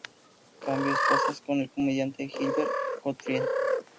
Cambió esposas con el comediante Gilbert Gottfried.